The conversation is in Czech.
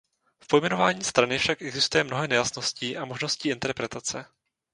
V pojmenování strany však existuje mnoho nejasností a možností interpretace.